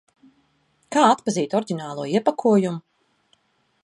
Kā atpazīt oriģinālo iepakojumu?